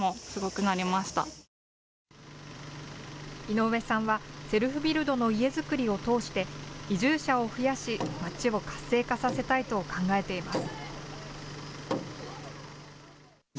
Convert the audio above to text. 井上さんはセルフビルドの家づくりを通して移住者を増やし、町を活性化させたいと考えています。